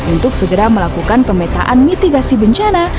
untuk segera melakukan pemetaan mitigasi bencana